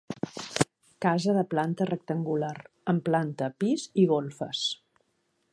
Casa de planta rectangular, amb planta, pis i golfes.